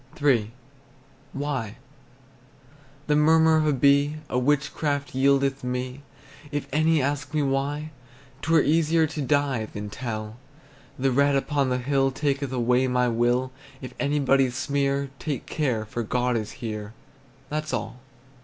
III. WHY? The murmur of a bee A witchcraft yieldeth me. If any ask me why, 'T were easier to die Than tell. The red upon the hill Taketh away my will; If anybody sneer, Take care, for God is here, That's all.